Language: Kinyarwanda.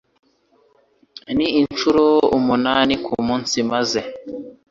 n’inshuro umunani ku munsi, maze